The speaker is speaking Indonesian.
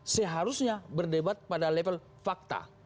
seharusnya berdebat pada level fakta